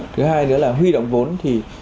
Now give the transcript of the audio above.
thứ hai nữa là huy động vốn thì